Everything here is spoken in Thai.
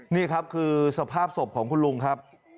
นี่ครับคือสภาพศพของคุณลุงครับ